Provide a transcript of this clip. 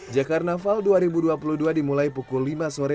jakarnaval dua ribu dua puluh dua dimulai pukul lima sore